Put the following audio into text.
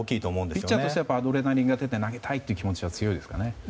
ピッチャーとしてはアドレナリンが出て投げたいという気持ちが強いですかね。